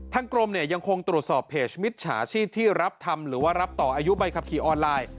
กรมเนี่ยยังคงตรวจสอบเพจมิจฉาชีพที่รับทำหรือว่ารับต่ออายุใบขับขี่ออนไลน์